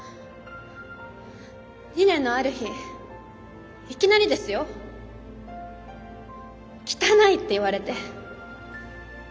２年のある日いきなりですよ「汚い！」って言われて。